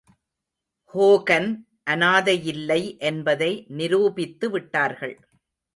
Hogan அநாதையில்லை என்பதை நிரூபித்து விட்டார்கள்.